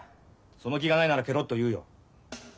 その気がないならケロッと言うよ。